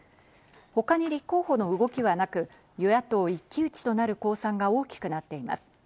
他に立候補の動きはなく、与野党一騎打ちとなる公算が大きくなっています。